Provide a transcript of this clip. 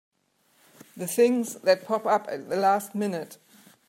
The things that pop up at the last minute!